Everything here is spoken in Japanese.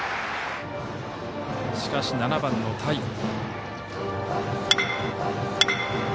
しかし７番の田井。